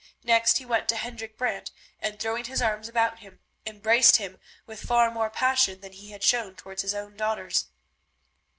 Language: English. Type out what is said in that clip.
Next he went to Hendrik Brant, and throwing his arms about him, embraced him with far more passion than he had shown towards his own daughters.